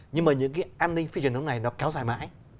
nhưng mà những cái an ninh phi truyền thống này nó kéo dài mãi